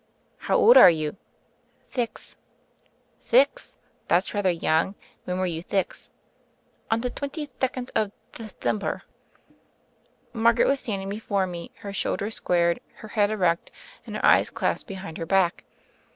"How old are you ?" "Thix." "Thix. That's rather young. When were you thix?" "On the twenty thecond of Dethember." Margaret was standing before me, her shoul denr squared, her head erect, and her hands THE FAIRY OF THE SNOWS 97 clasped behind her back.